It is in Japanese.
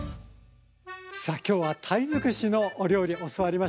さあ今日は鯛尽くしのお料理教わりました。